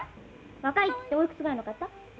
若いっておいくつぐらいの方？